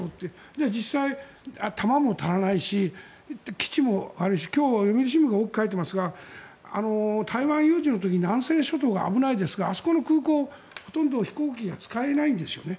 じゃあ実際、弾も足らないし基地もあるし今日、読売新聞が大きく書いてますが台湾有事の時に南西諸島が危ないですがあそこの空港、ほとんど飛行機が使えないんですよね。